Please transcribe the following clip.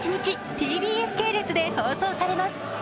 ＴＢＳ系列で放送されます。